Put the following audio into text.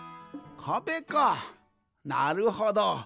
かべかなるほど。